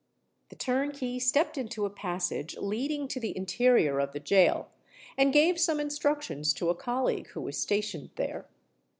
The turnkey stepped into a passage leading to the interior of the gaol, and gave some instructions to a colleague who was stationed there.